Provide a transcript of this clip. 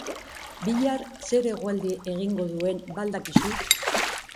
Bihar ze eguraldi egingo duen ba al dakizu?